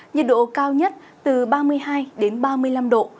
nhiệt độ cao nhất từ ba mươi hai đến ba mươi năm độ